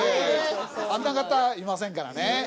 あんな方いませんからね。